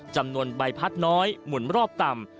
จำนวนใบพัดน้อยหมุนรอบต่ำ